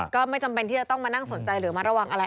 ก็ไม่จำเป็นที่จะต้องมานั่งสนใจหรือมาระวังอะไร